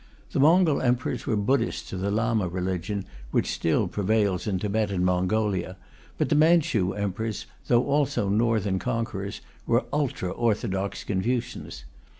The Mongol Emperors were Buddhists of the Lama religion, which still prevails in Tibet and Mongolia; but the Manchu Emperors, though also northern conquerors, were ultra orthodox Confucians.